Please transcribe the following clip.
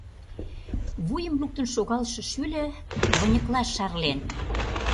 Вуйым луктын шогалше шӱльӧ выньыкла шарлен.